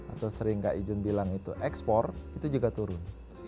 atau sering gak ijun bilang itu ekspor itu juga turun